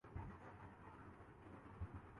اداکار عرفان خان اورسونالی بیندرے کے بعد